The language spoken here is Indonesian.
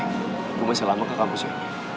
ibu masih lama ke kampus ya